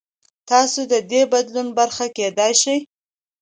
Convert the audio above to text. تاسو د دې بدلون برخه کېدای شئ.